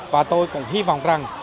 và tôi cũng hy vọng rằng